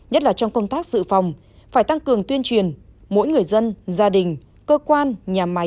nhất là trong công tác dự phòng phải tăng cường tuyên truyền mỗi người dân gia đình cơ quan nhà máy